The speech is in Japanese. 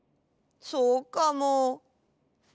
そうかも。